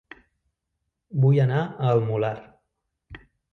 Vull anar a El Molar